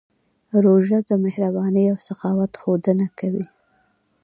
روژه د مهربانۍ او سخاوت ښودنه کوي.